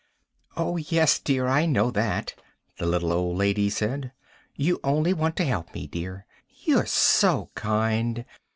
"Oh, yes, dear, I know that," the little old lady said. "You only want to help me, dear. You're so kind.